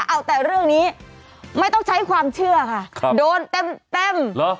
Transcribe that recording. เอาแต่เรื่องนี้ไม่ต้องใช้ความเชื่อค่ะโดนเต็มเหรอ